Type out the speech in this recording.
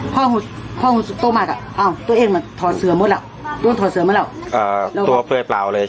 พอหูอุสุตมัตคือเจ็บ